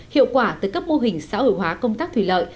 hiệu quả từ các mô hình xã hội hóa công tác thủy lợi